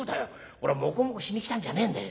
俺はもこもこしに来たんじゃねえんだよ。